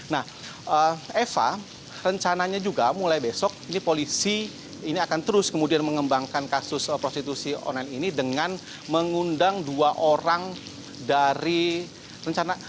nah eva rencananya juga mulai besok ini polisi ini akan terus kemudian mengembangkan kasus prostitusi online ini dengan mengundang dua orang dari rencana